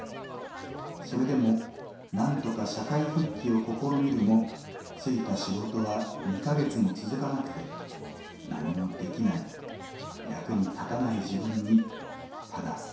それでもなんとか社会復帰を試みるも就いた仕事は２か月も続かなくて何もできない役に立たない自分にただ打ちのめされて終わります。